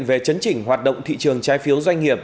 về chấn chỉnh hoạt động thị trường trái phiếu doanh nghiệp